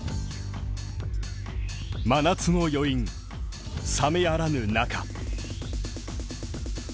真夏の余韻冷めやらぬ中